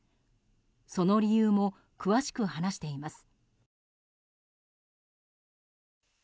その理由も詳しく話しています。